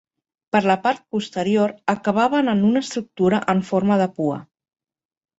Per la part posterior acabaven en una estructura amb forma de pua.